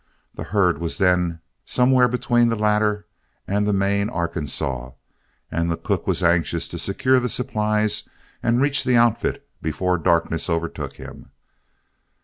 The herd was then somewhere between the latter and the main Arkansaw, and the cook was anxious to secure the supplies and reach the outfit before darkness overtook him.